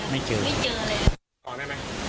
ไม่เจอเลยครับ